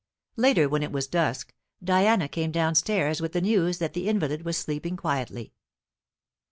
Later, when it was dusk, Diana came downstairs with the news that the invalid was sleeping quietly.